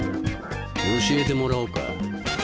教えてもらおうか。